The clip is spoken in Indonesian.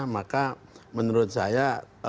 maka menurut saya